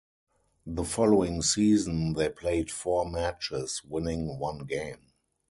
The following season they played four matches, winning one game.